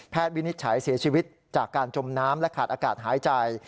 วินิจฉัยเสียชีวิตจากการจมน้ำและขาดอากาศหายใจ